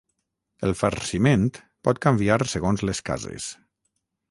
el farciment pot canviar segons les cases